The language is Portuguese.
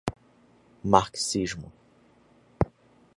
marxismo